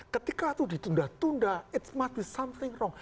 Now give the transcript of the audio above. ketika itu ditunda tunda it must be something wrong